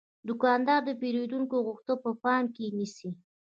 دوکاندار د پیرودونکو غوښتنې په پام کې نیسي.